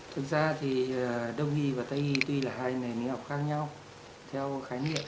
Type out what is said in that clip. thực ra thì đông y và tây y tuy là hai nền lý học khác nhau theo khái niệm